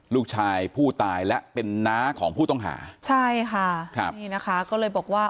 ลูกชายผู้ตายและเป็นน้าของผู้ต้องหาใช่ค่ะครับนี่นะคะก็เลยบอกว่า